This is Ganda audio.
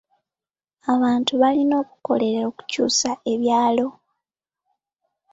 Abantu balina okukolerera okukyusa ebyalo.